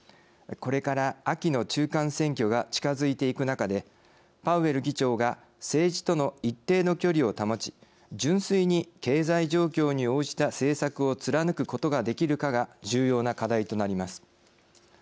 これから秋の中間選挙が近づいていく中でパウエル議長が政治との一定の距離を保ち純粋に経済状況に応じた政策を貫くことができるかが重要な課題となります。